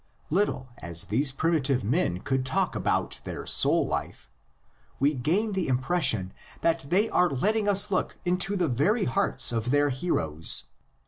Little as these primitive men could talk about their soul life, we gain the impression that they are letting us look into the very hearts of their heroes.